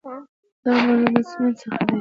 دا منظور له تضمین څخه دی.